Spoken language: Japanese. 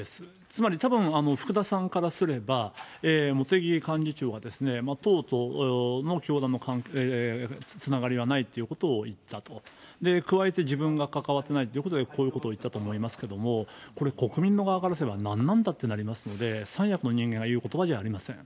つまりたぶん、福田さんからすれば、茂木幹事長が党と教団のつながりがないということを言ったと、加えて自分が関わってないってことで、こういうことを言ったと思いますけれども、これ、国民の側からすれば、何なんだってなりますので、三役の人間が言うことばではありません。